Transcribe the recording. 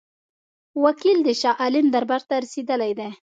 وکیل د شاه عالم دربار ته رسېدلی دی.